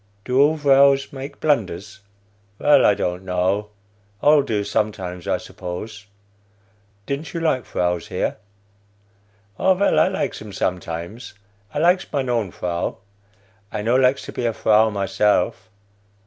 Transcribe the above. (Do all vrows make blunders?) Vell, I don't know; all do sometimes, I suppose. (Didn't you like vrows here?) Oh, vell, I likes 'em sometimes. I likes mine own vrow. I not likes to be a vrow myself.